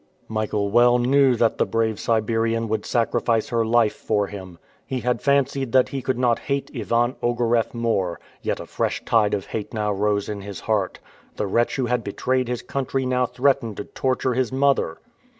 Michael well knew that the brave Siberian would sacrifice her life for him. He had fancied that he could not hate Ivan Ogareff more, yet a fresh tide of hate now rose in his heart. The wretch who had betrayed his country now threatened to torture his mother.